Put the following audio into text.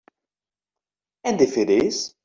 And if it is?